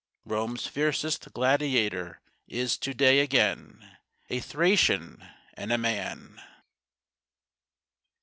Rome's fiercest gladiator is to day again A Thracian and a man!